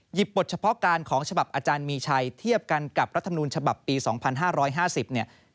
บทเฉพาะการของฉบับอาจารย์มีชัยเทียบกันกับรัฐมนูลฉบับปี๒๕๕๐เนี่ย